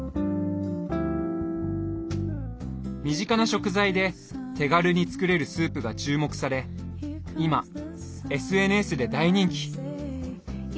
身近な食材で手軽に作れるスープが注目され今ＳＮＳで大人気。